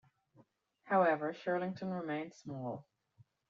However, Shirlington remained small.